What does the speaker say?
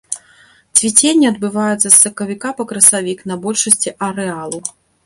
Цвіценне адбываецца з сакавіка па красавік на большасці арэалу.